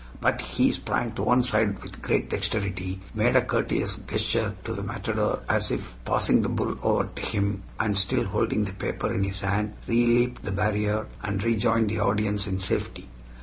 But he sprang to one side with great dexterity, made a courteous gesture to the matador as if passing the bull over to him, and still holding the paper in his hand, re leaped the barrier, and rejoined the audience in safety.